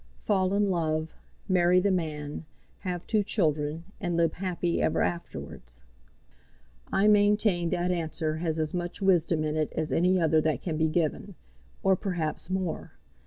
Fall in love, marry the man, have two children, and live happy ever afterwards. I maintain that answer has as much wisdom in it as any other that can be given; or perhaps more.